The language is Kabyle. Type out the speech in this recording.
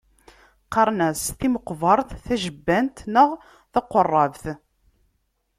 Qqaren-as timeqbert, tajebbant neɣ taqerrabt.